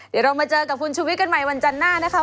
เดี๋ยวเรามาเจอกับคุณชุวิตกันใหม่วันจันทร์หน้านะคะ